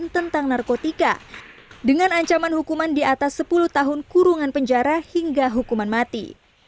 tentang narkotika dengan ancaman hukuman di atas sepuluh tahun kurungan penjara hingga hukuman mati